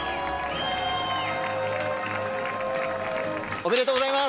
ありがとうございます。